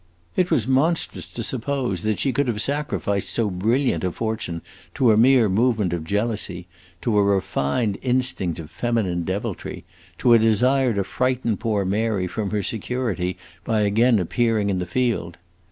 It was monstrous to suppose that she could have sacrificed so brilliant a fortune to a mere movement of jealousy, to a refined instinct of feminine deviltry, to a desire to frighten poor Mary from her security by again appearing in the field.